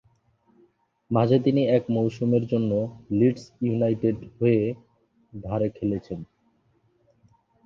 মাঝে তিনি এক মৌসুমের জন্য লিডস ইউনাইটেডের হয়ে ধারে খেলেছেন।